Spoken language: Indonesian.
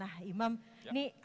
nah imam ini